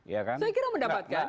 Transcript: saya kira mendapatkan